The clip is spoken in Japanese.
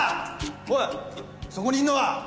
おいそこにいんのは！